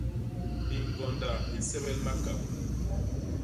Hiñgonda hi nsebel makabô.